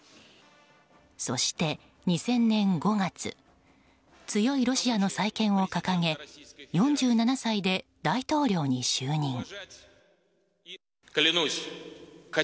そして、２０００年５月強いロシアの再建を掲げ４７歳で大統領に就任。